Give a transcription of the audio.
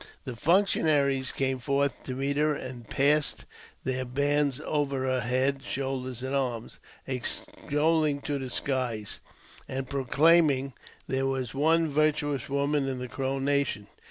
The functionaries came forth to meet her, anji passed their hands over her head, shoulders, and arms, ' extolling her to the skies, and proclaiming there was one virtuous woman in the Crow nation.